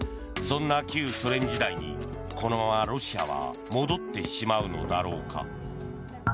そんな旧ソ連時代にこのままロシアは戻ってしまうのだろうか。